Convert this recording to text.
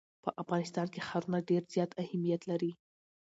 په افغانستان کې ښارونه ډېر زیات اهمیت لري.